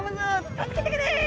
「助けてくれ！」